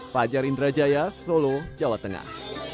fajar indrajaya solo jawa tengah